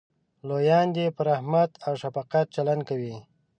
لویان دې په رحمت او شفقت چلند کوي.